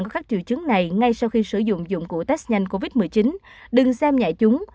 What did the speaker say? các triệu chứng này ngay sau khi sử dụng dụng cụ test nhanh covid một mươi chín đừng xem lại chúng